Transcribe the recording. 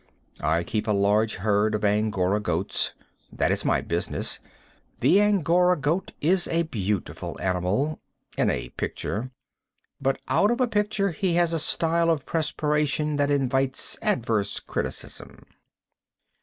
I keep a large herd of Angora goats. That is my business. The Angora goat is a beautiful animal in a picture. But out of a picture he has a style of perspiration that invites adverse criticism.